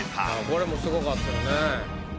これもすごかったよね。